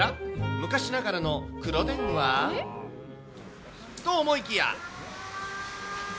昔ながらの黒電話？と思いきや。